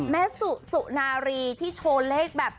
แม่สุสุนารีที่โชว์เลขแบบ